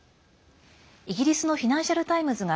イギリスのフィナンシャル・タイムズが